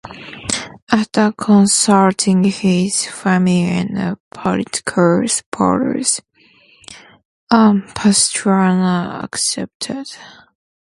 After consulting his family and political supporters, Pastrana accepted.